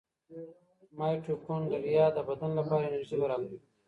مایټوکونډریا د بدن لپاره انرژي برابروي.